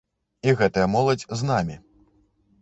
І гэтая моладзь з намі.